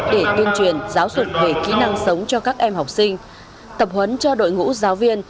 để tuyên truyền giáo dục về kỹ năng sống cho các em học sinh tập huấn cho đội ngũ giáo viên